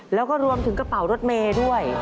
แล้วก็รวมถึงกระเป๋ารถเมย์ด้วย